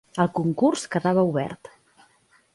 El concurs quedava obert.